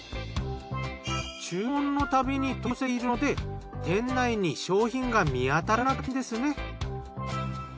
注文の度に取り寄せているので店内に商品が見当たらなかったんですね。